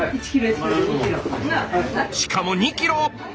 しかも２キロ！